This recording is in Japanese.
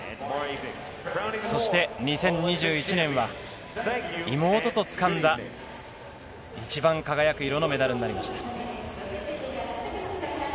そして、２０２１年は妹とつかんだ一番輝く色のメダルになりました。